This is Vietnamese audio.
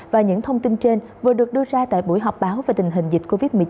và những thông tin trên vừa được đưa ra tại buổi họp báo về tình hình dịch covid một mươi chín